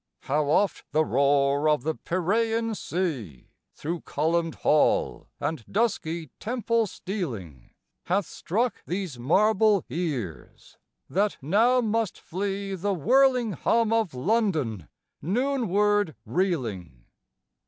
How oft the roar of the Piraen sea Through column'd hall and dusky temple stealing Hath struck these marble ears, that now must flee The whirling hum of London, noonward reeling.